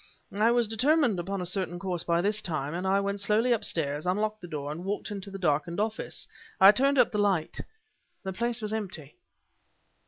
I was determined upon a certain course by this time, and I went slowly upstairs, unlocked the door, and walked into the darkened office. I turned up the light... the place was empty!"